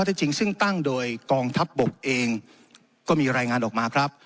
ที่จริงซึ่งตั้งโดยกองทัพบกเองก็มีรายงานออกมาครับ